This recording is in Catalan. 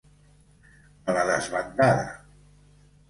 A la desbandada.